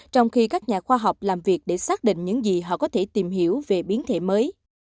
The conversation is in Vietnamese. trong khi các nhà khoa học làm việc để xác định những gì họ có thể tìm hiểu về biến thể mới